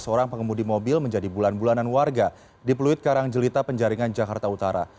seorang pengemudi mobil menjadi bulan bulanan warga di pluit karangjelita penjaringan jakarta utara